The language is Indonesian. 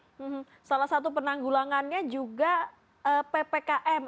hmm salah satu penanggulangannya juga ppkm